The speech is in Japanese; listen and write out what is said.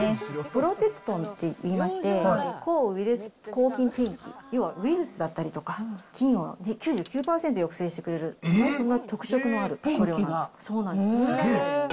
プロテクトンっていいまして、抗ウイルス、抗菌ペンキ、要はウイルスだったりとか、菌を９９％抑制してくれる、そんな特色のある塗料なんです。